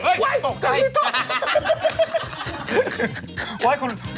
คนไว้ไปกับเธอยันนะ